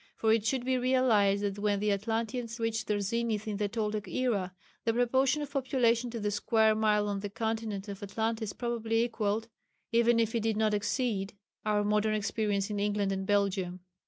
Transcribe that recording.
For it should be realized that when the Atlanteans reached their zenith in the Toltec era, the proportion of population to the square mile on the continent of Atlantis probably equalled, even if it did not exceed, our modern experience in England and Belgium.